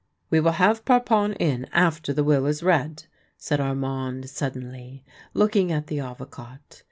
" We will have Parpon in after the will is read," said Armand suddenly, looking at the Avocat.